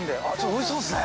おいしそうですね。